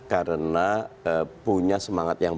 karena punya semangat yang